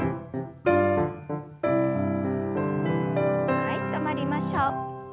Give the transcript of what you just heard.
はい止まりましょう。